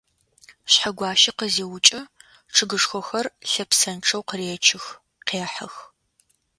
Шъхьэгуащэ къызиукӏэ, чъыгышхохэр лъэпсэнчъэу къыречых, къехьых.